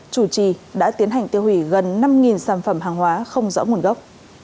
chủ trì đã tiến hành tiêu hủy gần năm sản phẩm hàng hóa không rõ nguồn gốc